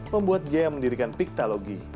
membuat gaya mendirikan pictalogy